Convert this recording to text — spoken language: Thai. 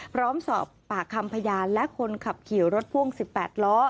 พร้อมสอบปากคำพยานและคนขับขี่รถพ่วง๑๘ล้อ